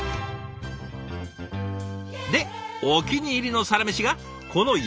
でお気に入りのサラメシがこの焼きサバ弁当。